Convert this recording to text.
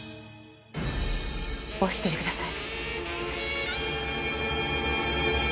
お引き取りください。